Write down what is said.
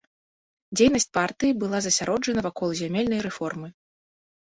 Дзейнасць партыі была засяроджана вакол зямельнай рэформы.